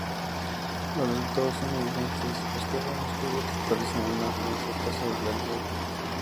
Los resultados son evidentes: los terrenos cubiertos parecen una meseta sobre la nieve.